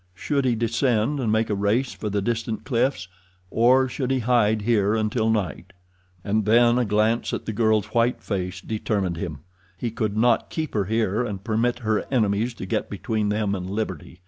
Should he descend and make a race for the distant cliffs, or should he hide here until night? And then a glance at the girl's white face determined him. He could not keep her here and permit her enemies to get between them and liberty.